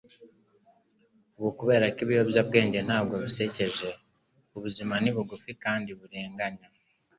ubu kuberako ibiyobyabwenge ntabwo bisekeje - na l ubuzima ni bugufi kandi burenganya